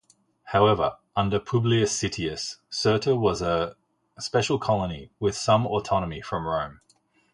However, under Publius Sittius, Cirta was a special colony with some autonomy from Rome.